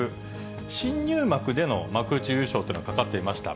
新入幕での幕内優勝というのがかかっていました。